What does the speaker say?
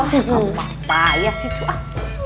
gampang payah sih cu ah